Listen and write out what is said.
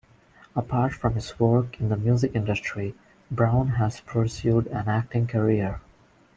Apart from his work in the music industry, Brown has pursued an acting career.